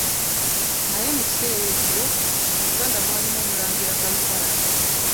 Naye mu kiseera ekyo mu Buganda mwalimu Omulangira Karukara.